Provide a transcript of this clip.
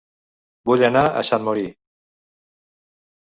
Vull anar a Sant Mori